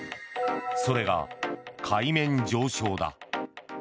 それが海面上昇だ。